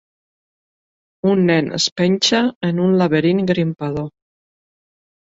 Un nen es penja en un laberint grimpador.